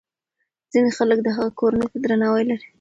ځینې خلک د هغه کورنۍ ته درناوی لري.